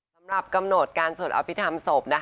สำหรับกำหนดการสวดอภิษฐรรมศพนะคะ